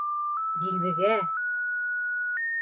Дилбегә!